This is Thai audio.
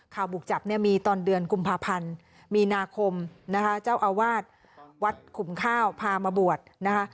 บุกจับเนี่ยมีตอนเดือนกุมภาพันธ์มีนาคมนะคะเจ้าอาวาสวัดขุมข้าวพามาบวชนะคะ